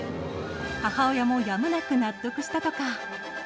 母親もやむなく納得したとか。